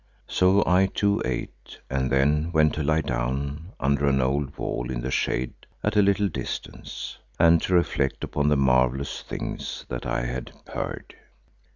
So I too ate and then went to lie down under an old wall in the shade at a little distance, and to reflect upon the marvellous things that I had heard.